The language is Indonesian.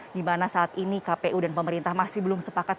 dimana saat ini kpu dan pemerintah masih belum sepakat